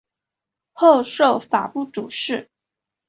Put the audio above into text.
后授法部主事。